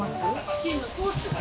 チキンのソース。